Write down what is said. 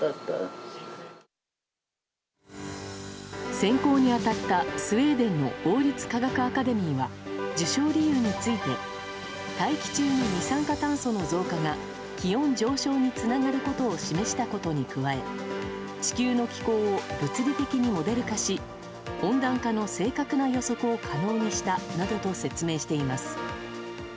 選考に当たったスウェーデンの王立科学アカデミーは受賞理由について大気中の二酸化酸素の増加が気温上昇につながることを示したことに加え地球の気候を物理的にモデル化し温暖化の正確な予測を可能にしたなどと説明しています。